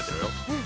うん。